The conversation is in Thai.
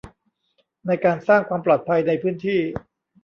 ในการสร้างความปลอดภัยในพื้นที่